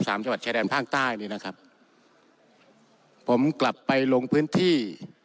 จังหวัดชายแดนภาคใต้นี่นะครับผมกลับไปลงพื้นที่